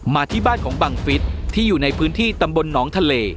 มาที่บ้านของบังฟิศที่อยู่ในพื้นที่ตำบลหนองทะเล